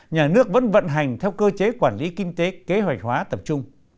nhà nước vẫn vận hành theo cơ chế quản lý kinh tế kế hoạch hóa tập trung